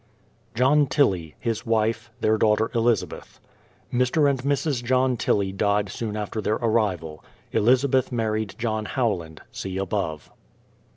JOHN TILLIE; his wife; their daughter, Elizabeth. Mr. and Mrs. John Tillie died soon after their arrival. Elizabeth married John Howland (see above).